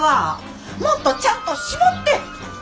もっとちゃんと絞って！